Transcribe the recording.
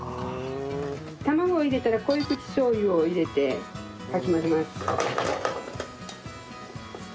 卵を入れたら濃い口しょう油を入れてかき混ぜます。